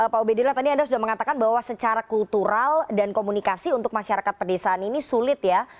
pak ubedillah tadi anda sudah mengatakan bahwa secara kultural dan komunikasi untuk masyarakat pedesaan ini sulit ya